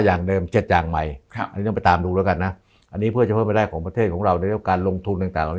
อย่างเดิม๗อย่างใหม่อันนี้ต้องไปตามดูแล้วกันนะอันนี้เพื่อจะเพิ่มไปได้ของประเทศของเราในเรื่องการลงทุนต่างเหล่านี้